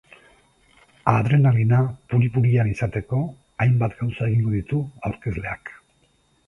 Adrenalina puri-purian izateko hainbat gauza egingo ditu aurkezleak.